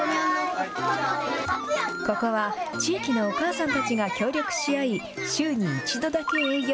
ここは地域のお母さんたちが協力し合い、週に１度だけ営業。